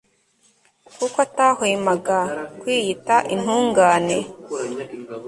kuko atahwemaga kwiyita intungane